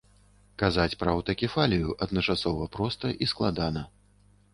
Казаць пра аўтакефалію адначасова проста і складана.